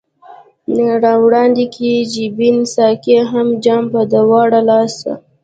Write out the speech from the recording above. را وړاندي که جبين ساقي هم جام پۀ دواړه لاسه